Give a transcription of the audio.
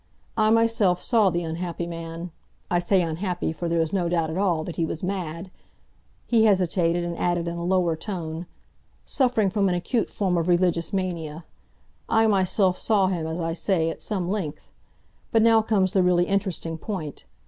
I myself saw the unhappy man—I say unhappy, for there is no doubt at all that he was mad"—he hesitated, and added in a lower tone—"suffering from an acute form of religious mania. I myself saw him, as I say, at some length. But now comes the really interesting point.